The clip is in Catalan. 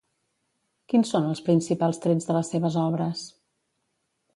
Quins són els principals trets de les seves obres?